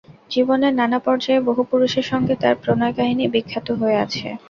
জীবনের নানা পর্যায়ে বহু পুরুষের সঙ্গে তাঁর প্রণয়-কাহিনি বিখ্যাত হয়ে আছে।